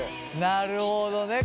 なるほどね。